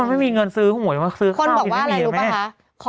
มันไม่มีเงินซื้อหัวคุณบอกว่าอะไรรู้ป่ะคะ